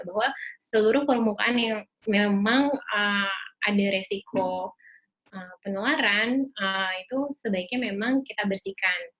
bahwa seluruh permukaan yang memang ada resiko penularan itu sebaiknya memang kita bersihkan